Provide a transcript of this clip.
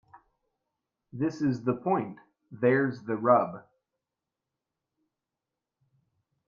This is the point. There's the rub.